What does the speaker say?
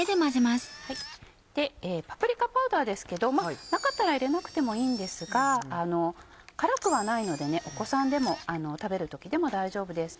パプリカパウダーですけどなかったら入れなくてもいいんですが辛くはないのでお子さんでも食べる時でも大丈夫です。